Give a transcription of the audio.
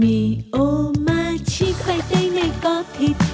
mì omachi khoai tây này có thịt